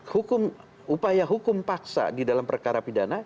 hukum upaya hukum paksa di dalam perkara pidana